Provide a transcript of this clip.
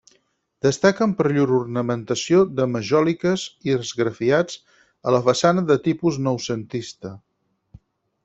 Destaquen per llur ornamentació de majòliques i esgrafiats a la façana de tipus noucentista.